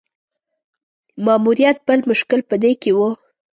ماموریت بل مشکل په دې کې وو.